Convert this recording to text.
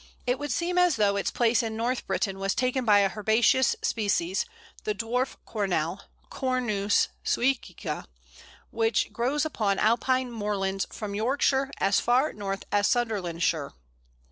It would seem as though its place in North Britain was taken by a herbaceous species, the Dwarf Cornel (Cornus suecica), which grows upon Alpine moorlands from Yorkshire as far north as Sutherlandshire.